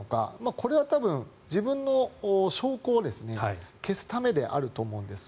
これは自分の証拠を消すためであると思うんですよ。